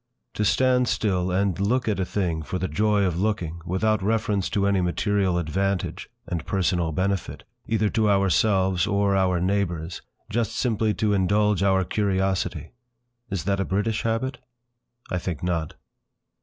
To stand still and look at a thing for the joy of looking, without reference to any material advantage, and personal benefit, either to ourselves or our neighbours, just simply to indulge our curiosity! Is that a British habit? I think not.